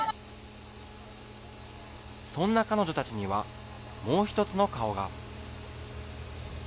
そんな彼女たちには、もう一つの顔が。